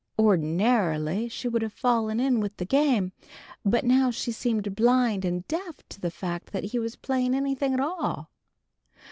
Ordinarily she would have fallen in with the game, but now she seemed blind and deaf to the fact that he was playing anything at all.